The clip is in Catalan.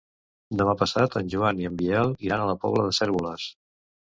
Demà passat en Joan i en Biel iran a la Pobla de Cérvoles.